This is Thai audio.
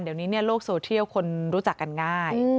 เดี๋ยวนี้โลกโซเทียลคนรู้จักกันง่าย